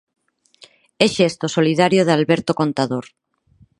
E xesto solidario de Alberto Contador.